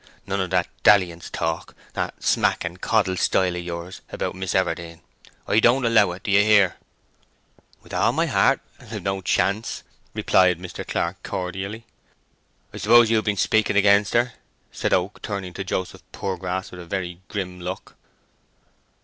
none of that dalliance talk—that smack and coddle style of yours—about Miss Everdene. I don't allow it. Do you hear?" "With all my heart, as I've got no chance," replied Mr. Clark, cordially. "I suppose you've been speaking against her?" said Oak, turning to Joseph Poorgrass with a very grim look.